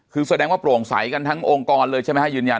คือแสดงว่าโปร่งใสกันทั้งองค์กรเลยใช่ไหมฮะยืนยัน